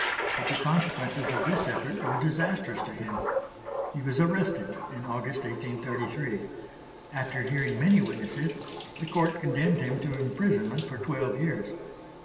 But the consequences of this effort were disastrous to him. He was arrested in August, 1833. After hearing many witnesses the Court condemned him to imprisonment for twelve years.